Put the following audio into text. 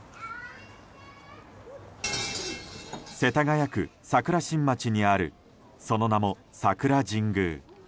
世田谷区桜新町にあるその名も桜神宮。